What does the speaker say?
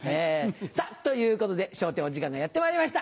さぁということで『笑点』お時間がやってまいりました。